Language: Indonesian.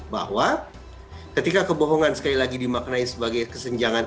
bahwa ketika kebohongan sekali lagi dimaknai sebagai kesenjangan